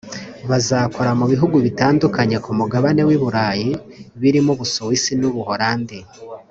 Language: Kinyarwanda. bazakora mu bihugu bitandukanye ku Mugabane w’i Burayi birimo u Busuwisi n’u Buholandi